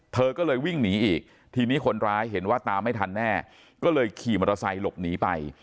เธอก็เลยวิ่งหนีอีกทีนี้คนร้ายเห็นว่าตามไม่ทันแน่ก็เลยขี่มอเตอร์ไซค์หลบหนีไป